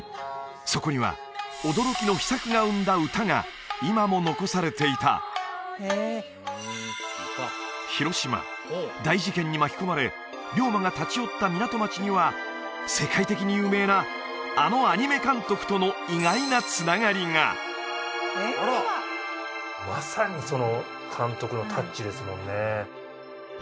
そこには驚きの秘策が生んだ歌が今も残されていた広島大事件に巻き込まれ龍馬が立ち寄った港町には世界的に有名なあのアニメ監督との意外なつながりがまさにその監督のタッチですもんね